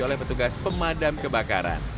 oleh petugas pemadam kebakaran